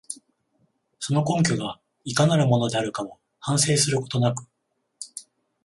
その根拠がいかなるものであるかを反省することなく、